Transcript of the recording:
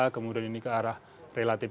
kemudian ini ke arah relatif